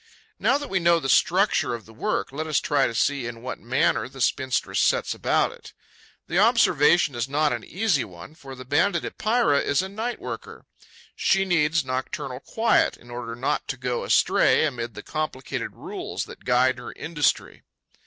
Now that we know the structure of the work, let us try to see in what manner the spinstress sets about it. The observation is not an easy one, for the Banded Epeira is a night worker. She needs nocturnal quiet in order not to go astray amid the complicated rules that guide her industry.